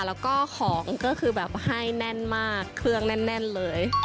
แล้วก็ของก็คือแบบให้แน่นมากเครื่องแน่นเลย